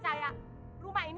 datang ke rumah ini